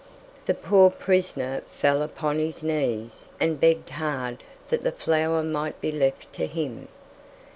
The poor prisoner fell upon his knees and begged hard that the flower might be left to him.